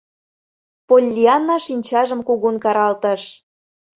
Поллианна шинчажым кугун каралтыш.